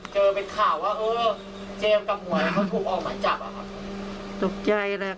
เจมส์กับหมวยเขาถูกออกหมายจับหรือครับ